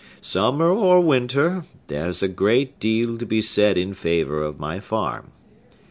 Summer or winter, there's a great deal to be said in favor of my farm!